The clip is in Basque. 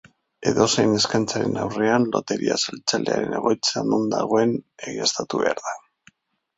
Edozein eskaintzaren aurrean loteria saltzailearen egoitza non dagoen egiaztatu behar da.